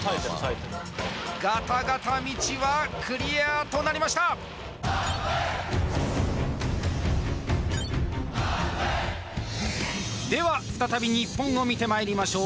ガタガタ道はクリアとなりましたでは再び日本を見てまいりましょう